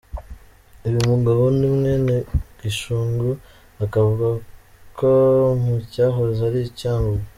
Uyu mugabo ni mwene Gishungu akavuka mu cyahoze ari Cyangugu.